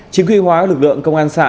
chính quy hoá lực lượng công an xã